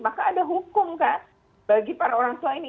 maka ada hukum kan bagi para orang tua ini